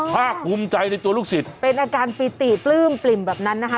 ภาคภูมิใจในตัวลูกศิษย์เป็นอาการปิติปลื้มปลิ่มแบบนั้นนะคะ